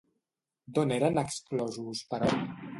D'on eren exclosos, però?